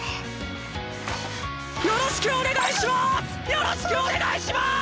よろしくお願いします！